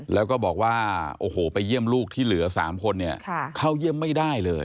แล้วก็บอกว่าโอ้โหไปเยี่ยมลูกที่เหลือ๓คนเนี่ยเข้าเยี่ยมไม่ได้เลย